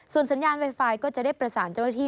สัญญาณไวไฟก็จะได้ประสานเจ้าหน้าที่